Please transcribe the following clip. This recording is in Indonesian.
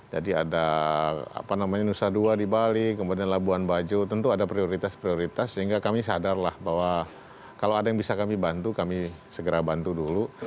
jadi ada apa namanya nusa dua di bali kemudian labuan bajo tentu ada prioritas prioritas sehingga kami sadarlah bahwa kalau ada yang bisa kami bantu kami segera bantu dulu